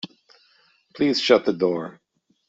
Please shut the door.